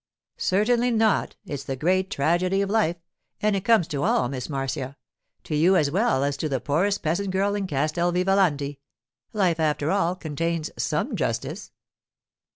'Certainly not. It's the great tragedy of life; and it comes to all, Miss Marcia—to you as well as to the poorest peasant girl in Castel Vivalanti. Life, after all, contains some justice.